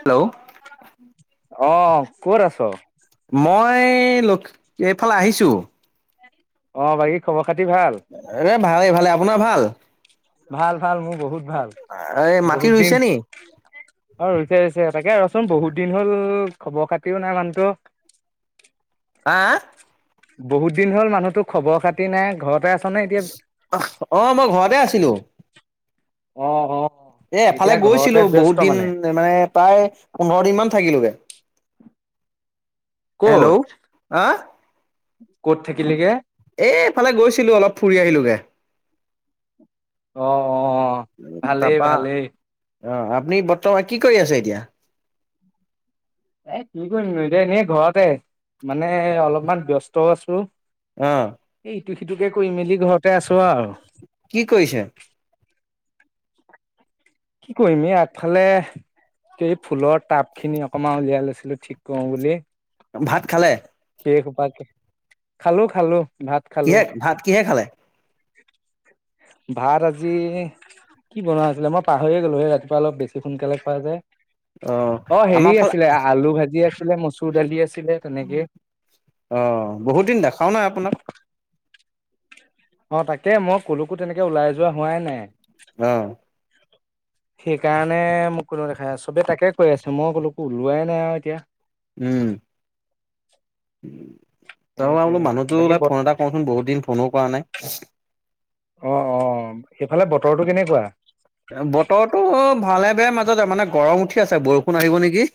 Hello অঁ ক'ত আছ মই লক্ষ্য এইফালে আহিছোঁ অঁ বাকি খবৰ খাতি ভাল? এ ভালে ভালে আপোনাৰ ভাল ভাল ভাল মোৰ বহুত ভাল এই মাটি বহুত ৰুইছে দিন নি অঁ ৰুইছে ৰুইছে তাকে ৰচোন বহুত দিন হ'ল খবৰ খাতিও নাই মানুহটো হাঁ বহুত দিন হ'ল মানুহতো খবৰ খাতি নাই ঘৰতে আছা অঁ মই ঘৰত আছিলো অঁ অঁ এ এফালে গৈছিলো বহুত দিন মানে প্ৰায় পোন্ধৰ ইমান থাকিলোগে ক'ত হেল্ল' হা ক'ত থাকিলেগে এফালে গৈছিলো অলপ ফুৰি আহিলোগে অঁ অঁ ভালেই ভালেই অঁ আপুনি বৰ্তমান কি কৰি আছে এতিয়া এ কি কৰিম ন এতিয়া এনেই ঘৰতে মানে অলপমান ব্যস্ত ত আছো আহ সটো সিটোকে কৰি মেলি ঘৰতে আছো আ কি কৰিছে কি কৰিম এই আগফালে এই ফুলৰ টাপ খিনি অকমান উলিয়াই লৈছিলো ঠিক কৰো বুলি ভাত খালে কে সোপা খালো খালো ভাত খালো কিহে ভাত কিহে খালে? ভাত আজি কি বনোৱা আছিলে মই পাহৰিয়ে গ'লো সেই ৰাতিপুৱা অলপ বেছি সোনকালে খোৱা যে অ আমাৰ হেৰি ফালে আছিলে আলু ভাজি আছিলে মচুৰ দালি আছিলে। তেনেকে অ বহুত দিন দেখাও নাই আপোনাক অ তাকে মই কলকো তেনেকে ওলাই যোৱা হোৱাই নাই আহ সেইকাৰণে মোক কনে দেখা চবে তাকে কৈ আছে মই ক'লো ওলোৱাই নাই আৰু এতিয়া উম উ তই বোল সেইটোৱে মানুহতো বাকী ওলাই বত ফোন এটা কওঁচোন বহুত দিন ফোনো কৰা নাই চিক অ অ এইফালে বতৰটো কেনেকুৱা? বতৰটো ভালে বেয় মাজতে মানে গৰম উঠি আছে বৰষুণ আহিব নেকি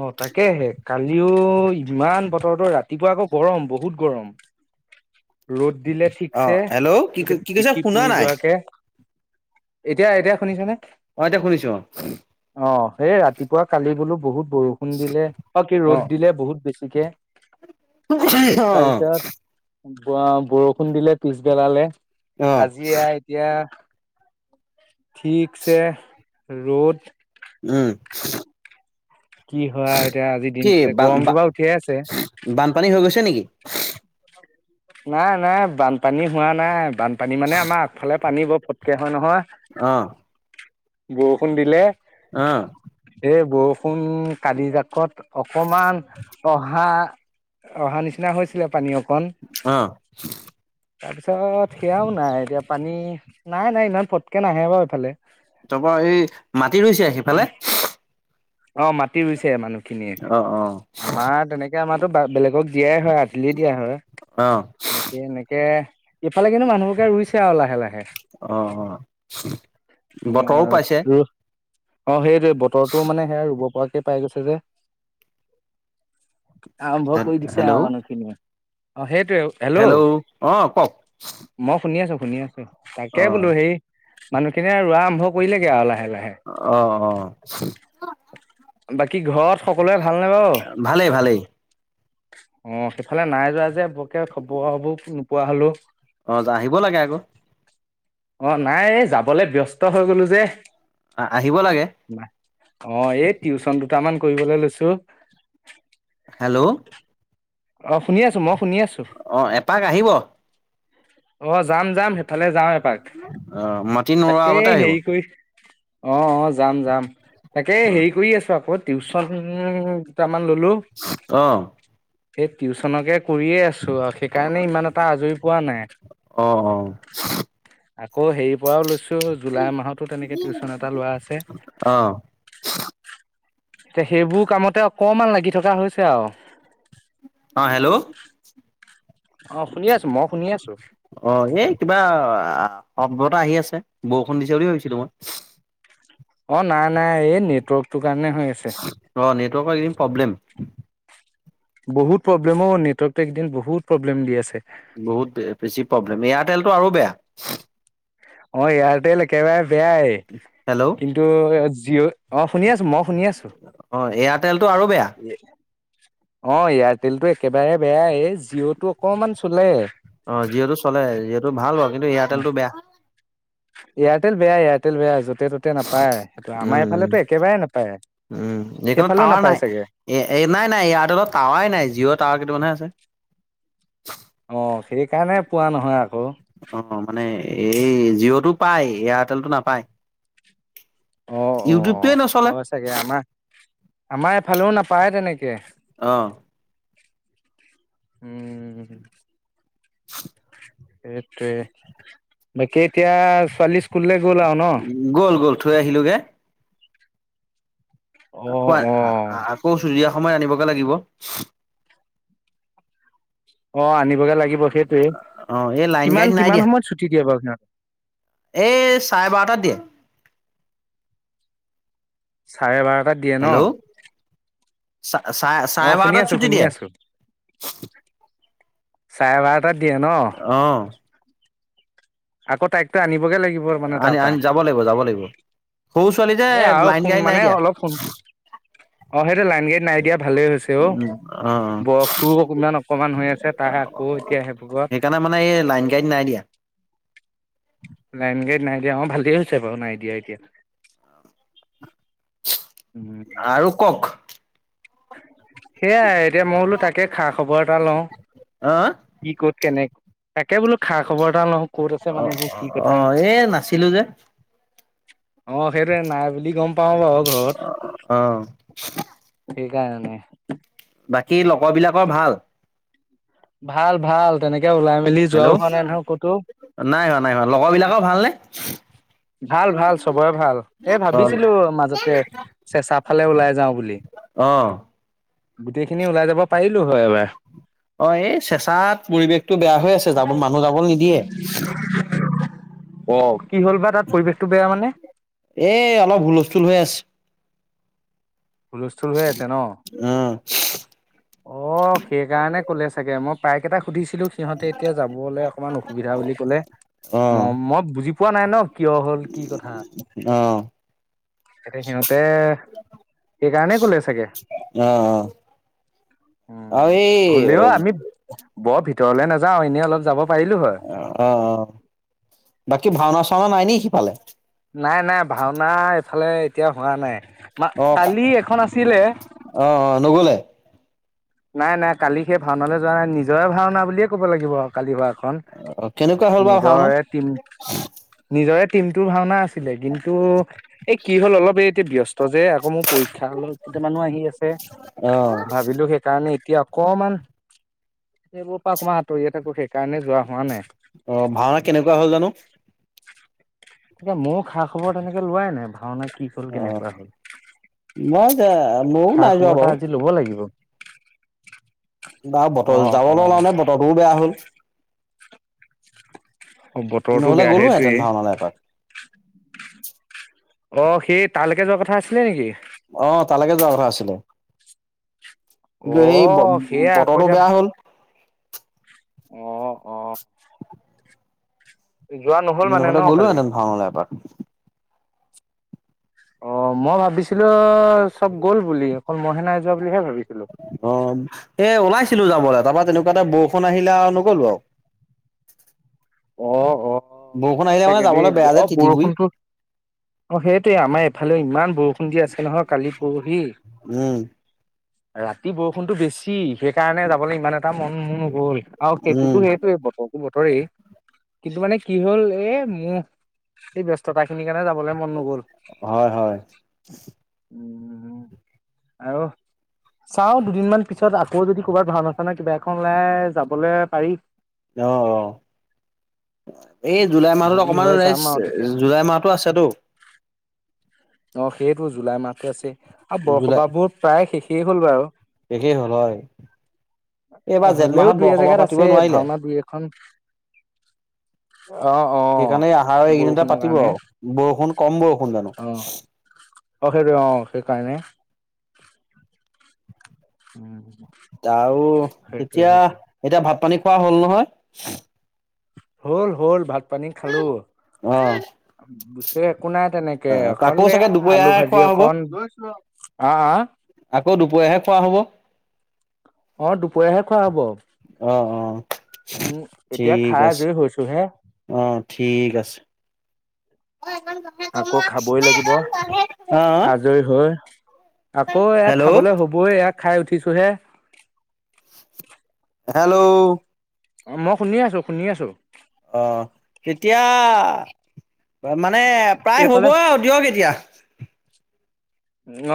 অ তাকেহে কালিও ইমান বতৰত ৰাতিপুৱা আকৌ গৰম বহুত গৰম ৰ'দ দিলে অ' ঠিকছে হেল্ল' কি গ কি কৈছে পিঠি শুনা পুৰি নাই। যোৱাকে এতিয়া এতিয়া শুনিছনে অ এতিয়া শুনিছো অ সেই ৰাতিপুৱা কালি বোলো বহুত বৰষুণ দিলে ব কি অ' ৰ'দ দিলে বহুত বেছিকে তাৰপিছত অ বৰষুণ দিলে পিছবেলালে। অ' আজি এতিয়া ঠিকছে ৰ'দ উম কি হয় এতিয়া আজি কি দিনটোলে ব গৰমটো বাৰু উঠিয়ে আছে বানপানী হৈ গৈছে নেকি [unintelligible] নাই নাই বানপানী হোৱা নাই। বানপানী মানে আমাৰ আগফালে পানী বৰ ফটকীয়া হয় নহয় আহ বৰষুণ দিলে আহ এই বৰষুণ কালি জাকত সমমান অহা অহা নিচিনা হৈছিলে পানীয়ক কন অ' তাৰপিছত সেয়াও নাই এতিয়া পানী নাই নাই ইমান ফটকে নাহে বাৰু এইফালে তাৰপৰা এই মাটি ৰুইছে সিফালে অ মাটি ৰুইছে মানুহ আহ অ আমাৰো বেলেগক দিয়াই হয় আদলি দিয়া হয় অ' বাকী এনেকে। ইফালে কিন্তু মানুহবকে ৰুইছে আৰু লাহে লাহ। অ', অ। বতৰো পাইছে। উ অ সেই যে বতৰটো মানে। শুব পোৱকে পাই গৈছে যে। আৰম্ভ কৰি দিছে আহ হেল্ল' মানুহ খিনিয়ে। অ সেই হেল্ল', আহ কওক? মই শুনি আছো শুনি আছোঁ। তাকে অ' বোলো সেই। মানুহখিনিয়ে ৰোৱা আৰম্ভ। কৰিলেকে লাহে লাহে। অ' অ' বাকী ঘৰ সকলোৱে ভালনে বাৰু। ভালেই ভালেই অ সেইফালে নাই যোৱা যে, বৰকে খবৰ খব নোপোৱা হলো। অ' আহিব লাগে আকৌ অ নাই যাবলে ব্যস্ত হৈ গলো যে। আহিব লাগে অ এই টিউচনটো। দুটামান কৰিবলৈ লৈছো। হেল্ল'। অ, শুনি আছো মই। শুনি আছো অ এপাক আহিব? অ, যাম যাম। সেইফালে যাওঁ এপাক। অ', মাটি নোৰোৱা তাকে আগতে আহিব অ', হেৰি কৰি অ', অ। যাম যাম। তাকে, হেৰি কৰি আছো। আকৌ টিউচন। ললো অ সেই টিউচনকে কৰিয়ে আছো। [unintelligible] সেইকাৰণে ইমান এটা আজৰি পোৱা নাই। অ', আকৌ সেই। লৈছো জুলাই মাহতো তেনেকে টিউচন এটা লোৱা আছে। এয়া অ', সেইবোৰ কামতে অকমান লাগি থকা হৈছে আৰু। অ হেল্ল। অহ অ এই কিবা শব্দ এটা আহি আছে বৰষুণ দিছে বুলি ভাবিছিলো মই। অ নাই নাই এই নেটৱৰ্কটো। গানে হৈ আছে [unintelligible] প্ৰব্লেম বহুত প্ৰব্লেমো নেটৱকটো এইকেইদিন বহুত প্ৰব্লেম দি আছে। বহুত বেছি প্ৰব্লেম এয়াৰটেলটো আৰু বেয়া। অ এয়াৰটেল একেবাৰে- বেয়াই হেল্ল' কিন্তু জিঅ' অ শুনি আছো মই শুনি আছো অ এয়াৰটেলতটো আৰু বেয়া অ এয়াৰটেল টো একেবাৰে বেয়াাই এই জিঅ'টো অকনমান চলে। অ জিঅ'টো চলে জিঅ'টো ভাল বা কিন্তু এয়াৰটেলটো বেয়া। এয়াৰটেল বেয়া এয়াৰটেল বেয়া ত'তে নাপায় সেইটো আমাৰ উম উম এইফালেতো একেবাৰে নাপায় উম এইখনত সেইফালেও টাৱাৰ নাপায় নাই চাগে এ নাই নাই এয়াৰটেলত টাৱাৰ নাই জিঅ' টাৱাৰ কেইটামানহে আছে। অ সেই কাৰণে পোৱা নহয় আকৌ অ অ মানে এই জিঅ'টো পায় এয়াৰটেলটো নাপায়। অ অ ইউটিউবটোৱে নচলে হয় চাগে আমাৰ আমাৰ এফালেও নাপায় তেনেকে অ উম [unintelligible] সেইটোৱে বাকী এতিয়া ছোৱালী স্কুললে গ'ল গ'ল থৈ আহিলোগৈ ক অ', আ অ', আ আকৌ চুৰিয়া সময় আনিবগে লাগিব অ আনি বগে লাগিব সেইটোৱে অ এই লাইন কিমান গাড়ীত নাই কিমান দিয়া সময়ত ছুটি দিয়ে বাৰু সিহতক এই চাৰে বাৰটাত দিয়ে চাৰে বাৰ হেল্ল' চা চা অ', শুনি চাৰেবাৰটাত আছো ছুটি শুনি দিয়ে আছো চাৰে বাৰটাত দিয়ে ন অ আকৌ তাইকটো আনিব আনি আনি যাব লাগিব যাব লাগিব সৌ ছোৱালী যে এ আৰু লাইন সোন গাড়ীত নাই মানে দিয়া অলপ সোন অ সেই যে লাইন গাড়ীত নাই দিয়া ভালেই হৈছে অ উম অ অ বৰফটোও অকমান অকমান হৈ আছে তাই আকৌ এতিয়া সেইবোৰত সেইকাৰণে মানে এই লাইন গাড়ীত নাই দিয়া লাইন গাড়ীত নাই দিয়া অ ভালেই হৈছে বাৰু নাই দিয়া এতিয়া উম আৰু কওক সেয়াই এতিয়া মই বোলো তাকে খা খবৰ এটা লওঁ অ কি ক'ত কেনেক অ মানুহবোৰ কি কথা অহ এই নাছিলো যে অ সেইটোৱে নাই বুলি গম পাও বাও ঘৰত অ শিকাই এনে বাকী লগৰবিলাকৰ ভাল ভাল ভাল তেনেকে ওলাই মেলি যোৱাও হেল্ল' হোৱা নাই নহয় ক'তো নাই হোৱা নাই হোৱা লগৰ বিলাকৰ ভালনে ভাল ভাল চবৰে ভাল এ অ ভাবিছিলো মাজতে চেঁচা ফালে ওলাই যাওঁ বুলি অ গোটেই খিনি ওলাই যাব পাৰি লো হয় এবাৰ অ এই চেঁচাত পৰিৱেশটো বেয়া হৈ আছে যাব মানুহ যাবলৈ নিদিয়ে ওমচ অ কি হ'ল বা তাত পৰিৱেশটো বেয়া মানে এ অলপ হুলস্থুল হৈ আছে হুলস্থুল হৈ আছে ন আহ অ সেইকাৰণে কলে চাগে মই প্ৰাইকেইটা সুধিছিলো সিহঁতে এতিয়া যাবলে অকমান অসুবিধা বুলি কলে ম আহ মই বুজি পোৱা নাই ন কিয় হল কি কথা আহ এতিয়া সিহঁতে ক'লে চাগে অ অ আও উম এই হ'লেও আমি বৰ ভিতৰলে নাযাও এনেই অলপ যাব পাৰিলো হয় অ অ অ বাকী ভাওনা চাওনা নাই নিেকি কি পালে নাই নাই ভাওনা খালে এতিয়া হোৱা নাই মা আহ কালি এখন আছিলে আহ আহ নগলে নাই নাই কালি সেই ভাওনালৈ যোৱা নাই নিজৰে ভাওনা বুলিয়ে ক'ব লাগিব আৰু কালি ভত খ অ কেনেকুৱা হ'ল বাৰু ভাওনা নিজৰে টিম নিজৰে টিমটোৰ ভাওনা আছিলে কিন্তু এই কি হ'ল অলপ এই ব্যস্ত ত যে আকৌ মোৰ পৰীক্ষাৰত কেইটামানো আহি আছে অ ভাবিলো সেই কাৰণে এতিয়া অকমান সেইবোৰ পৰা মই সাঁতৰিয় থাকো শেষ অ ভাওনা কেনেকুৱা হল জানো তেতিয়া ময়ো খা খবৰ তেনেকে লোৱাই নাই ভাওনা কি হল অ কেনেকুৱা হল মই যে ময়ো খা নাই যোৱা খবৰ এটা বাৰু আজি লব লাগিব বাৰ অ বতৰ জালৰ অ নলাও নে বতৰটোও বেয়া হ'ল অ নহ'লে গ'লো এতে ভাওনা ন বেপাৰ অ সেই তালৈকে যোৱা কথা আছিলে নেকি আহ তালৈকে যোৱা কৰা আছিলে অ কিন্তু সেই সেয়া আকৌ বতৰটো এতিয়া বেয়া হ'ল অ অ যোৱা নহ'ল মানে উমহ'লে ন গ'লো কালি হেতেন ভান হ'লে এবাৰ অ মই ভাবিছিলো চব গ'ল বুলি অকল মইহে নাই যোৱা বুলিহে ভাবিছিলো অ এ ওলাইছিলো যাবলৈ তাৰপাত তেনেকুৱা এটা বৰষুণ আহিলে আৰু নগ'লো আৰু অ অ বৰষুণ হয় আহিলে মানে চাগে দ যাবলৈ বেয়া অ যে তিতিবুৰি বৰষুণতটো অ সেইটয়ে আমাৰ ফালে ইমানবোৰ খুন্দি আছে নহয় কালি পৰহি উম, ৰাতি বৰষুণতটো বেছি সেইকাৰণে যাবলৈ ইমান এটা মন ম ন গ'ল আৰু সেইটোতো উম, সেইটোয়ে বতৰো ব তৰে কিন্তু মানে কি হ'ল এ মোৰ এই ব্য্স্ততা খিনি সেইকাৰণে যাবলে মন নগল হয়, হয়, উম উ আৰু চাও দুদিনমান পিছত আকৌ যদি ক'ৰবাত ভাওনা চা ননা কিবা এখন ওলাই যাবলৈ পাৰি অহ অহ। এই জুলাই মাহত যদি অকমান হয় ৰাইছ যাম আৰু তেতিয়া জুলাই মাহতো আছেতো। অ সেইটো জুলাই মাহটো আছেই। আৰু জুলাই বৰসবাহ বোৰ প্ৰায় শেষ। হেই হ'ল বাৰু। শেষেই হল হয়। এইবাৰ জেঠ হ'লেও মাহত দুই বৰসবাহ এজেগাত পাতিব আছে নোৱাৰিলে, ভাওনা দুই এখন অ অ সেইকাৰণে আহাৰৰ এই কেইদিনতে বৰষুণৰ পাতিব কাৰণে আৰু বৰষুণ। কম বৰো। অ অ সেইটো অ সেইকাৰণে। [inaudible] উম [unintelligible] তাৰো। সেইটোৱে এতিয়া সেইটোৱে এতিয়া। ভাত পানী খোৱা হ'ল নহয়? [unintelligible] হল, হল ভাত। পানী খালো [unintelligible] সে। একো নাই তেনেকে অ'। আকৌ কলে চাগে আলু দুপৰীয়াহে ভাজি খোৱা হ'ব অকণ [inaudible] আহ আহ আকৌ দুপৰীয়াহে খোৱা হ'ব অ', অ দুপৰীয়াহে খোৱা হব। অ', উম এতিয়া ঠিক খাই আছে। আজৰি হৈছো হে। ঠিক আছে [unintelligible] লাগিব অ আজৰি হৈ অ আকৌ এয়া হেল্ল' খাবলৈ হবই এয়াক। খাই উঠিছো হে। হেল্ল' অ মই শুনি আছো, শুনি আছো। অ কেতিয়া ম। মানে প্ৰায় হ'ব এইফালে আৰু দিয়ক এতিয়া।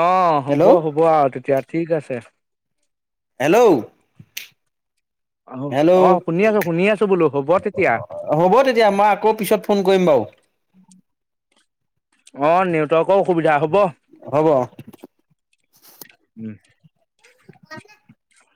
অ হ'ব হেল্ল' হ'ব আৰু তেতিয়া। ঠিক আছে। হেল্ল' অ [inaudible] অ হেল্ল' শুনি আছো শুনি [unintelligible] আছো বোলো হ'ব তেতিয়া হ'ব তেতিয়া মই আকৌ পিছত ফোন কৰিম বাৰু। তক অসুবিধা হব। হব। [inaudible] উম [unintelligible]